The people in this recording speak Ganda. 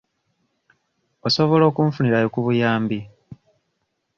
Osobola okunfunirayo ku buyambi?